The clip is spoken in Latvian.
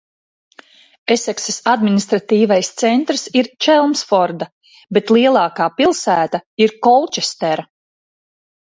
Eseksas administratīvais centrs ir Čelmsforda, bet lielākā pilsēta ir Kolčestera.